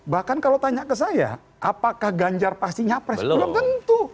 bahkan kalau tanya ke saya apakah ganjar pasti nyapres belum tentu